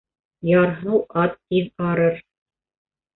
Ярһыу ат тиҙ арыр.